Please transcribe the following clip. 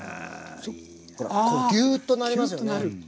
こうギューッとなりますよね。